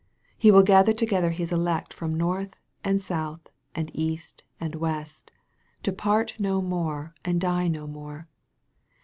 He will gather together His elect from north, and south, and east, and west, to part no more, and die no more.